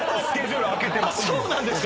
そうなんですか！？